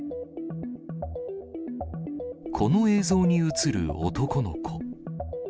この映像に写る男の子。